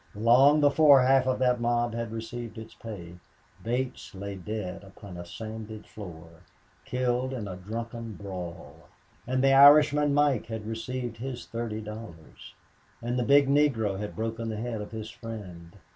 Long before half of that mob had received its pay Bates lay dead upon a sanded floor, killed in a drunken brawl. And the Irishman Mike had received his thirty dollars. And the big Negro had broken the head of his friend.